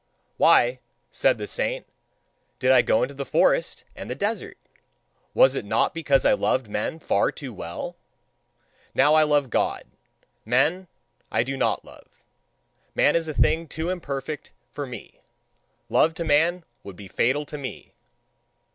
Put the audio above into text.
"Why," said the saint, "did I go into the forest and the desert? Was it not because I loved men far too well? Now I love God: men, I do not love. Man is a thing too imperfect for me. Love to man would be fatal to me."